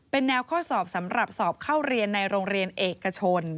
เป็นแนวข้อสอบสำหรับสอบเข้าเรียนในโรงเรียนเอกชน